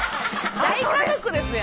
大家族ですやん。